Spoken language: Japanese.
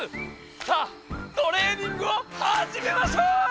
さあトレーニングをはじめましょう！